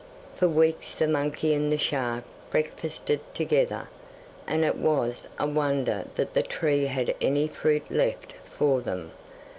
For weeks the monkey and the shark breakfasted together, and it was a wonder that the tree had any fruit left for them.